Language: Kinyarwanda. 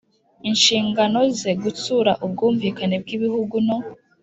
inshingano ze gutsura ubwumvikane bw'ibihugu no